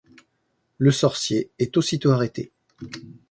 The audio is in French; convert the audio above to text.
Le sorcier est aussitôt arrêté.